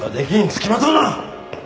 つきまとうな！